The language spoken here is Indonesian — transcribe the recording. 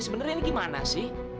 sebenernya ini gimana sih